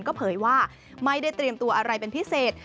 ก็เผยว่าไม่ได้เตรียมตัวอะไรเป็นพิเศษ